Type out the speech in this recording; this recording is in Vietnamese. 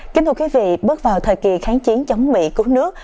kính thưa quý vị bước vào thời kỳ kháng chiến chống mỹ cứu nước